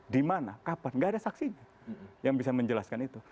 di mana kapan gak ada saksinya yang bisa menjelaskan itu